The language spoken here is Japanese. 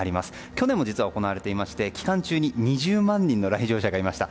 去年も実は行われていまして期間中に２０万人の来場者がいました